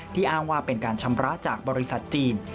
อ้างว่าเป็นการชำระจากบริษัทจีน